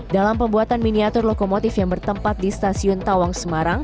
dalam pembuatan miniatur lokomotif yang bertempat di stasiun tawang semarang